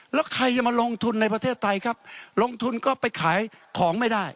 แล้วใครจะมาลงทุนในประเทศไทยครับลงทุนก็ไปขายของไม่ได้